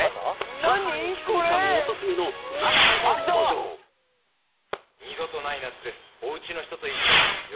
チャーハンイキスギさんおすすめの「なのに」も登場「ヴィセ」